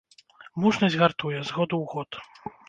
Мужнасць гартуе, з году ў год.